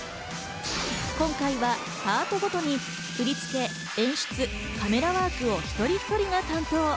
今回はパートごとに振り付け、演出、カメラワークを一人一人が担当。